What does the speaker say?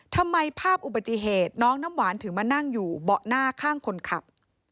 ทำไมภาพอุบัติเหตุน้องน้ำหวานถึงมานั่งอยู่เบาะหน้าข้างคนขับ